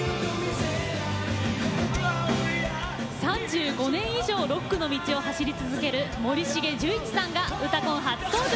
３５年以上ロックの道を走り続ける森重樹一さんが「うたコン」初登場。